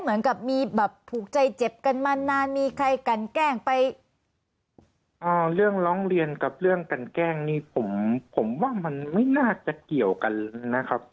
เหมือนกับมีแบบถูกใจเจ็บกันมานานมีใครกันแกล้งไปอ่าเรื่องร้องเรียนกับเรื่องกันแกล้งนี่ผมผมว่ามันไม่น่าจะเกี่ยวกันนะครับ